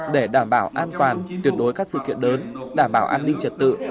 để đảm bảo an toàn tuyển đối các sự kiện đớn đảm bảo an ninh trật tự